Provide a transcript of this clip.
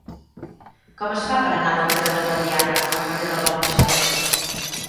Com es fa per anar del carrer del Guadiana al carrer del Bon Pastor?